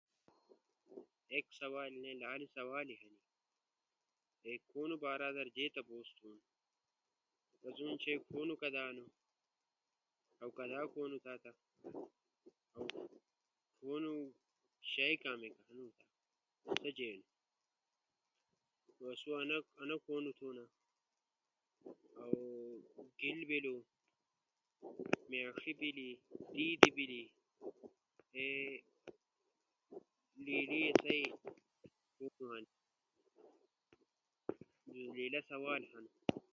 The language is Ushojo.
کحونو بردار آسئی آدامو خیال رݜینا، کے آسئی بدنا تی فائدا بیلی۔ اسو کھونو در تفوستہن ڇوجاکہت موس گہت ماڑر کہت دی کہت اولسکی علو حور قیام حمحنی ایک سوال نی لالو سوالے ہنی۔ کھونو بارا در اسئی تمو وطنا کئی خوراک لالو استعمال تھینا۔ کے آسئی وطنی خوراک نقصانی نی بینا۔ فائدا مند ہنی۔ جے وطنی خوراک کھونا تو تی فائدا بیلی اؤ نقصان نیِش۔ کھونو بارا در جے تپوس تھون۔ کدا کدا آسئی بازاری خعوراک م ضرورت ٹیم در استعمال تھونا۔ کو زیاد تر آسئی تمو گوٹے خوراک استعمال تھو۔ سیس در سبزی، موس، گھید، شیشان، دودھے، شاہ کولت، مأݜ ، دیدی، لیلی آسئی کوکوڑے وغیرہ خوراک کھونو کارا لالو استعمال تھونا۔ انیس کارا استعمال تھونا کے اسئی وطنی خوراک کیمیکل در پاک بینو۔ صفا بیلو، گندا نی بیلو، مضر صحت اسپرے نی بیلو۔ آسو صحت کارا غورا ہنو خراب نی ہنو۔ تازا ہنو۔